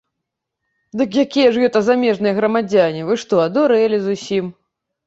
Дык якія ж гэта замежныя грамадзяне, вы што, адурэлі зусім?!